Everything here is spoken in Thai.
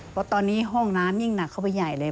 เพราะตอนนี้ห้องน้ำยิ่งหนักเข้าไปใหญ่เลย